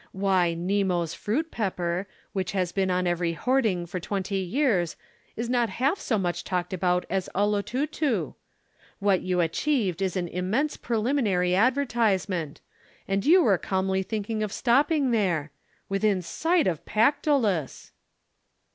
Why, Nemo's Fruit Pepper, which has been on every hoarding for twenty years, is not half so much talked about as 'Olotutu.' What you achieved is an immense preliminary advertisement and you were calmly thinking of stopping there! Within sight of Pactolus!"